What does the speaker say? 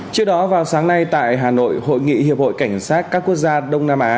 trước đó vào sáng nay tại hà nội hội nghị hiệp hội cảnh sát các quốc gia đông nam á